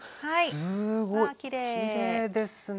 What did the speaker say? すごいきれいですね。